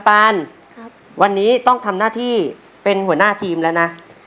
ปานครับวันนี้ต้องทำหน้าที่เป็นหัวหน้าทีมแล้วนะ